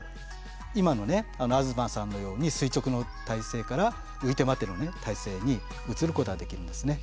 今のね東さんのように垂直の体勢からういてまての体勢に移ることができるんですね。